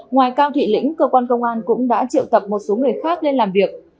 ngoài cao thị lĩnh cơ quan công an cũng đã triệu tập một số người khác lên làm việc